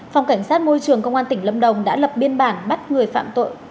phòng cảnh sát môi trường công an tỉnh lâm đồng đã lập biên bản bắt người phạm tội